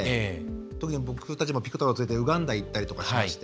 特に僕たちピコ太郎を連れてウガンダ行ったりしまして。